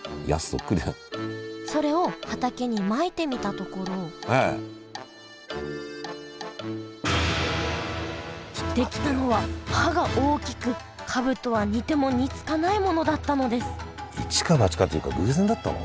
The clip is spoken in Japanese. それを畑にまいてみたところ出来たのは葉が大きくカブとは似ても似つかないものだったのです一か八かっていうか偶然だったの？